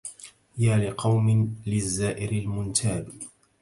يا لقوم للزائر المنتاب